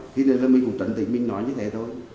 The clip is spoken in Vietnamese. khi đến rồi mình cũng trấn tĩnh mình nói như thế thôi